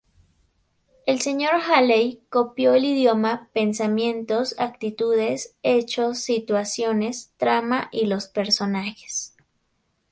El Sr. Haley copió el idioma, pensamientos, actitudes, hechos, situaciones, trama y los personajes.